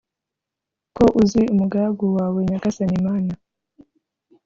ko uzi umugaragu wawe Nyagasani Mana.